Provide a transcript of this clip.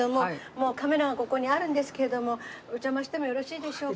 もうカメラがここにあるんですけどもお邪魔してもよろしいでしょうか？